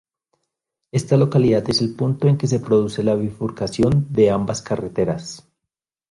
Esta localidad es el punto en que se produce la bifurcación de ambas carreteras.